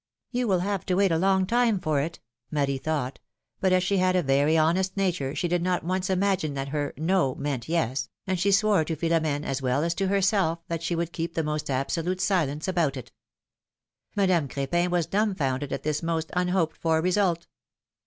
^^You will have to wait a long time for it!" Marie thought, but as she had a very honest nature she did not once imagine that her ^^no" meant ^^yes," and she swore to Philom^ne as well as to herself that she would keep the most absolute silence about it. Madame Cr^pin was dumbfounded at this most unhoped for result.